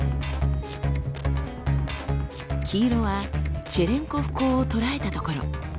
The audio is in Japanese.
黄色はチェレンコフ光を捉えた所。